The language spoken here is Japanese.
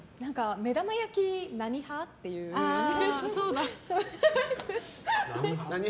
目玉焼き何派？みたいな。